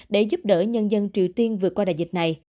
để giúp đỡ nhân dân triều tiên vượt qua đại dịch này